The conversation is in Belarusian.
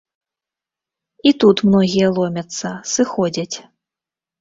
І тут многія ломяцца, сыходзяць.